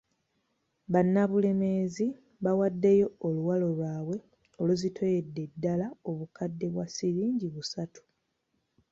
Bannabulemeezi bawaddeyo oluwalo lwabwe oluzitoyedde ddala obukadde bwa ssiringi busatu.